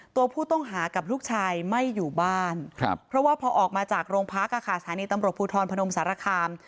ตัวผู้ต้องหากับลูกชายไม่อยู่บ้านเพราะว่าพอออกมาจากโรงพักสถานีตำรวจภูทรพนมสารคาม